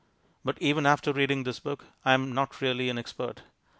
But even after reading this book I am not really an expert.